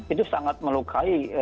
itu sangat melukai